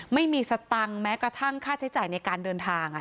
ไม่มีสตังค์แม้กระทั่งค่าใช้จ่ายในการเดินทาง